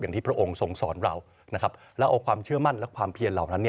ที่พระองค์ทรงสอนเรานะครับแล้วเอาความเชื่อมั่นและความเพียรเหล่านั้น